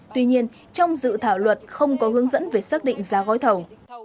tuy nhiên trong dự thảo luật không có hướng dẫn về xác định giá gói thầu